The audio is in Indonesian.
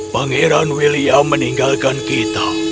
pangeran william meninggalkan kita